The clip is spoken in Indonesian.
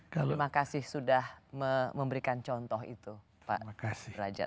terima kasih sudah memberikan contoh itu pak raja